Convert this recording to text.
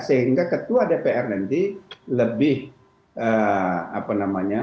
sehingga ketua dpr nanti lebih apa namanya